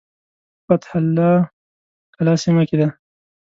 په فتح الله کلا سیمه کې دی.